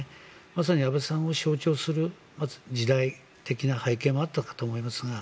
まさに安倍さんを象徴する時代的な背景もあったかと思いますが